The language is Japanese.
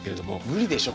無理でしょ